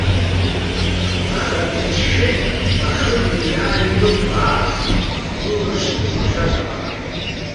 Аха дрыцәшәеит ахыбра иааҩнылбааз, лылаԥш назықәшәаз ауаа.